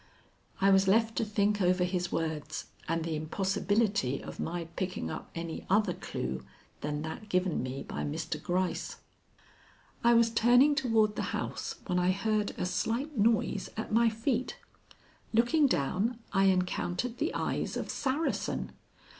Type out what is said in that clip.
I was left to think over his words and the impossibility of my picking up any other clue than that given me by Mr. Gryce. I was turning toward the house when I heard a slight noise at my feet. Looking down, I encountered the eyes of Saracen.